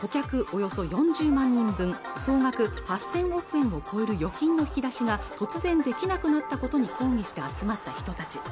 およそ４０万人分総額８０００億円を超える預金の引き出しが突然できなくなったことに抗議して集まった人たち